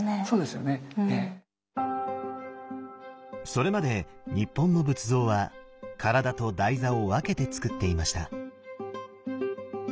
それまで日本の仏像は体と台座を分けてつくっていました。